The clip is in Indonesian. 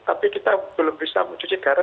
tapi kita belum bisa mencuci darah